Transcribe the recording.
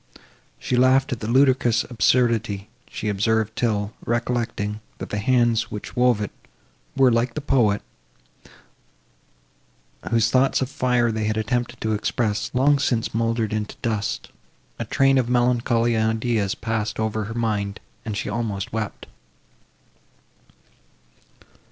She laughed at the ludicrous absurdity she observed, till, recollecting, that the hands, which had wove it, were, like the poet, whose thoughts of fire they had attempted to express, long since mouldered into dust, a train of melancholy ideas passed over her mind, and she almost wept.